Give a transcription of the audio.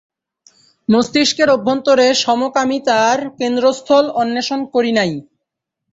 মস্তিষ্কের অভ্যন্তরে সমকামিতার কেন্দ্রস্থল অন্বেষণ করি নাই।